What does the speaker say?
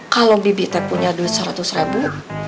kalo bibi teh punya duit seratus ribu